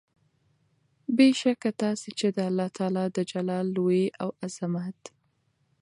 بې شکه تاسي چې د الله تعالی د جلال، لوئي او عظمت